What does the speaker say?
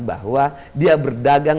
bahwa dia berdagang